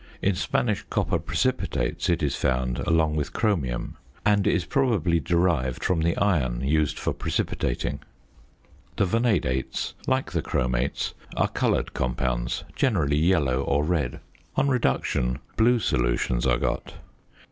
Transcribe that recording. In Spanish copper precipitates it is found along with chromium, and is probably derived from the iron used for precipitating. The vanadates, like the chromates, are coloured compounds, generally yellow or red. On reduction, blue solutions are got.